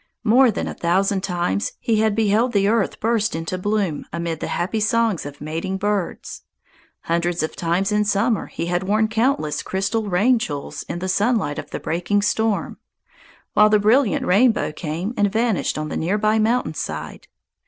More than a thousand times he had beheld the earth burst into bloom amid the happy songs of mating birds; hundreds of times in summer he had worn countless crystal rain jewels in the sunlight of the breaking storm, while the brilliant rainbow came and vanished on the near by mountain side.